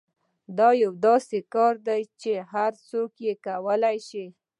دا یو داسې کار دی چې هر څوک یې کولای شي